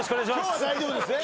今日は大丈夫ですね？